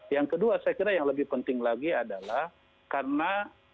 yang kedua saya kira yang lebih penting lagi adalah karena